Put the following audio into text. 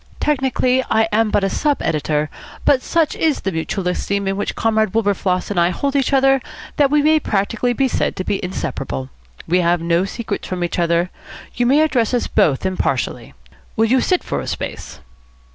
Technically, I am but a sub editor; but such is the mutual esteem in which Comrade Windsor and I hold each other that we may practically be said to be inseparable. We have no secrets from each other. You may address us both impartially. Will you sit for a space?"